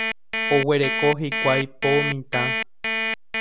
Oguereko hikuái po mitã.